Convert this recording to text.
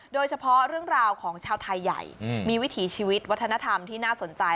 โดยเฉพาะเรื่องราวของชาวไทยใหญ่มีวิถีชีวิตวัฒนธรรมที่น่าสนใจ